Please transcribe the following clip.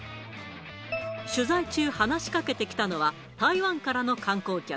取材中、話しかけてきたのは、台湾からの観光客。